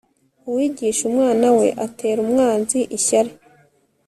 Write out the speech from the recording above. uwigisha umwana we, atera umwanzi ishyari